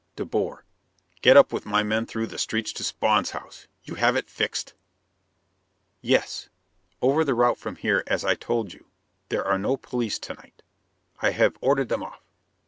De Boer: "... Get up with my men through the streets to Spawn's house? You have it fixed?" "Yes. Over the route from here as I told you, there are no police to night. I have ordered them off.